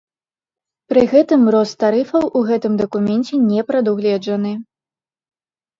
Пры гэтым рост тарыфаў у гэтым дакуменце не прадугледжаны.